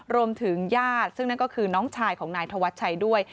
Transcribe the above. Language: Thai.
รวมถึงญาติซึ่งนั่นก็คือน้องชายของนายธวัชชัยด้วย